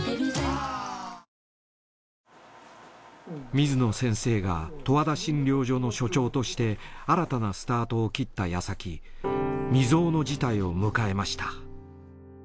水野先生がとわだ診療所の所長として新たなスタートを切った矢先未曽有の事態を迎えました。